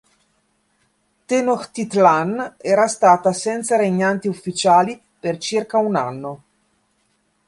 Tenochtitlan era stata senza regnanti ufficiali per circa un anno.